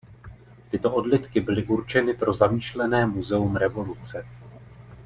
Tyto odlitky byly určeny pro zamýšlené muzeum revoluce.